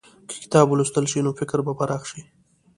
که کتاب ولوستل شي، نو فکر به پراخ شي.